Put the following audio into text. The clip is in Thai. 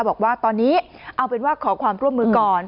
บอกว่าตอนนี้เอาเป็นว่าขอความร่วมมือก่อน